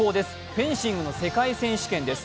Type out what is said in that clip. フェンシングの世界選手権です。